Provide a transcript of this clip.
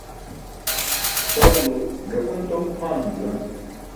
Sawulo ẓakun tom pʰaanum juwan.